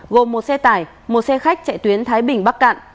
gồm một xe tải một xe khách chạy tuyến thái bình bắc cạn